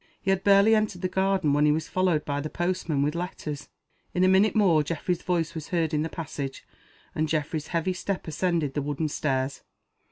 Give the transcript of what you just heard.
He had barely entered the garden when he was followed by the postman with letters. In a minute more Geoffrey's voice was heard in the passage, and Geoffrey's heavy step ascended the wooden stairs.